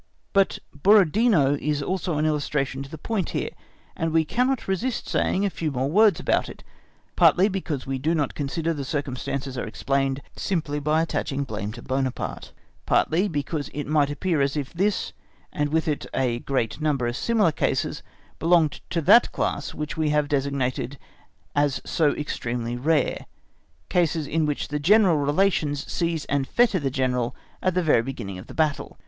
But Borodino is also an illustration to the point here, and we cannot resist saying a few more words about it, partly because we do not consider the circumstances are explained simply by attaching blame to Buonaparte, partly because it might appear as if this, and with it a great number of similar cases, belonged to that class which we have designated as so extremely rare, cases in which the general relations seize and fetter the General at the very beginning of the battle.